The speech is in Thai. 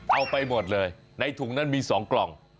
เอาไปหมดเลยในถุงนั้นมี๒กล่อง